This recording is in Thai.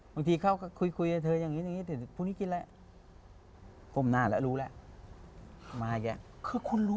บางทีเข้าคุยอย่างนี้พวกนี้กินแหละ